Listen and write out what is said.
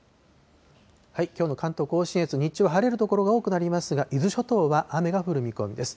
きょうの関東甲信越、日中、晴れる所が多くなりますが、伊豆諸島は雨が降る見込みです。